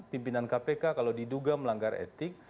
pimpinan kpk kalau diduga melanggar etik